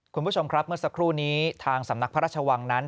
คุณผู้ชมครับเมื่อสักครู่นี้ทางสำนักพระราชวังนั้น